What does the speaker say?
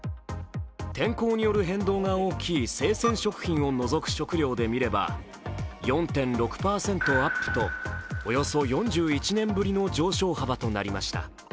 天候による変動が大きい生鮮食品を除く食料で見れば４．６％アップとおよそ４１年ぶりの上昇幅となりました。